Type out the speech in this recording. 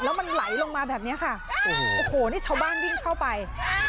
แล้วมันไหลลงมาแบบนี้ค่ะโอ้โหนี่ชาวบ้านวิ่งเข้าไป